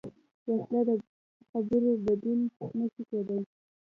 وسله د خبرو بدیل نه شي کېدای